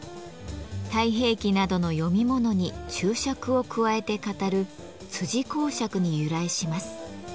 「太平記」などの読み物に注釈を加えて語る「講釈」に由来します。